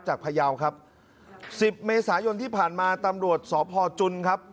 พยาวครับสิบเมษายนที่ผ่านมาตำรวจสพจุนครับ